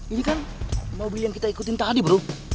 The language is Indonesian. ini kan mobil yang kita ikutin tadi bro